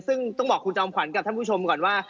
ซึ่งต้องบอกคุณจอมขวัญกับท่านผู้ชมก่อนว่า